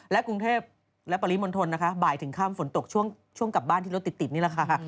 กรุงเทพและปริมณฑลนะคะบ่ายถึงข้ามฝนตกช่วงกลับบ้านที่รถติดนี่แหละค่ะ